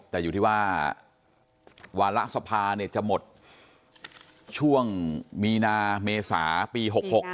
แต่อยู่ที่ว่าวาระสภาจะหมดช่วงมีนาเมษาปี๖๖